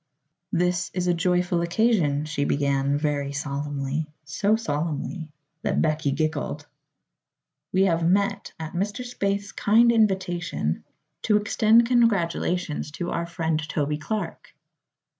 "This is a joyful occasion," she began, very solemnly so solemnly that Becky giggled. "We have met, at Mr. Spaythe's kind invitation, to extend congratulations to our friend Toby Clark."